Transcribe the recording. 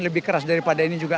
lebih keras daripada ini juga